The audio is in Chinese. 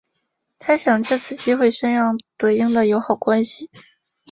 他想借此机会宣扬德英的友好关系。